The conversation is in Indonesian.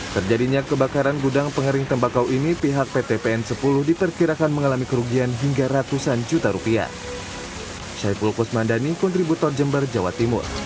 terjadinya kebakaran gudang pengering tembakau ini pihak pt pn sepuluh diperkirakan mengalami kerugian hingga ratusan juta rupiah